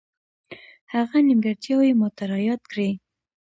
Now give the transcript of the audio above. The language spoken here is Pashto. هغه نیمګړتیاوې ماته را یادې کړې.